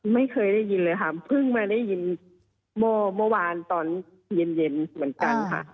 ไม่เคยได้ยินเลยค่ะเพิ่งมาได้ยินเมื่อวานตอนเย็นเหมือนกันค่ะ